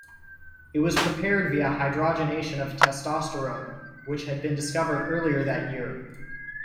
It was prepared via hydrogenation of testosterone, which had been discovered earlier that year.